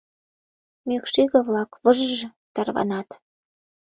Мӱкш иге-влак выж-ж тарванат.